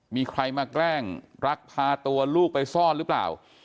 มีใครมาแกล้งรักพาตัวลูกไปซ่อนหรือเปล่า